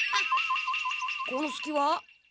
このすきは？